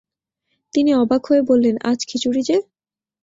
তিনি অবাক হয়ে বললেন, আজ খিচুড়ি যে!